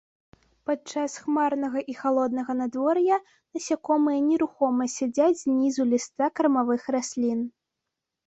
Падчас хмарнага і халоднага надвор'я насякомыя нерухома сядзяць знізу ліста кармавых раслін.